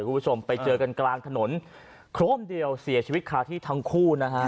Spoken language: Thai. ดูการกลางถนนครบเดียวเสียชีวิตคลาที่ทั้งคู่